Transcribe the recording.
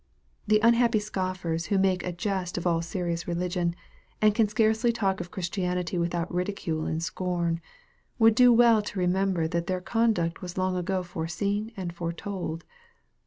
The unhappy scoffers who make a jest of all serious religion, and can scarcely talk of Christianity without ridicule and scorn, would do well to remember that their conduct was long ago foreseen and foretold.